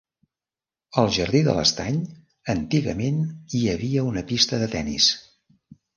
Al jardí de l'estany antigament hi havia una pista de tennis.